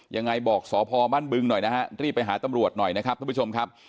ยังไงบอกสพบ้านบึงหน่อยนะฮะรีบไปหาตำรวจหน่อยนะครับทุกผู้ชมครับ